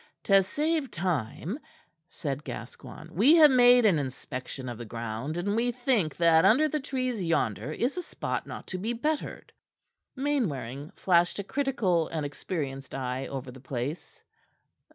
"To save time," said Gascoigne, "we have made an inspection of the ground, and we think that under the trees yonder is a spot not to be bettered." Mainwaring flashed a critical and experienced eye over the place.